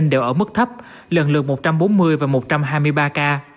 đều ở mức thấp lần lượt một trăm bốn mươi và một trăm hai mươi ba ca